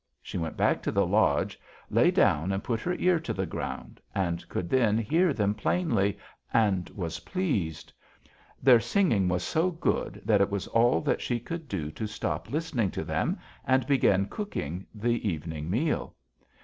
She went back to the lodge, lay down and put her ear to the ground, and could then hear them plainly, and was pleased. Their singing was so good that it was all that she could do to stop listening to them and begin cooking the evening meal.